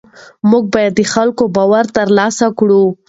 موږ باید د خلکو باور ترلاسه کړو.